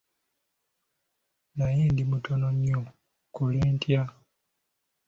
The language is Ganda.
Naye ndi mutono nnyo, nkole ntya?